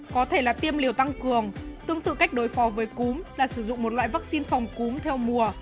có thể là tiêm liều tăng cường tương tự cách đối phó với cúm là sử dụng một loại vaccine phòng cúm theo mùa